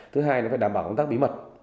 thứ hai là phải đảm bảo công tác bí mật